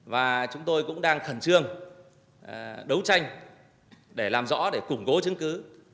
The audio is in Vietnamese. và chúng tôi cũng đang khẩn trương đấu tranh để làm rõ để củng cố chứng cứ